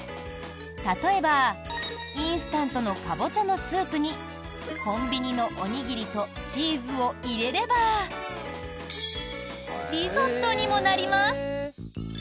例えば、インスタントのカボチャのスープにコンビニのおにぎりとチーズを入れればリゾットにもなります。